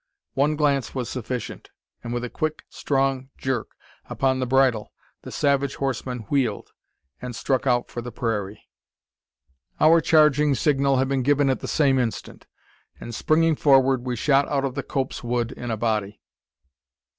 One glance was sufficient; and, with a quick, strong jerk upon the bridle, the savage horseman wheeled, and struck out for the prairie. Our charging signal had been given at the same instant; and springing forward, we shot out of the copse wood in a body.